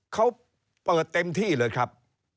เขาเปิดเต็มที่เลยครับ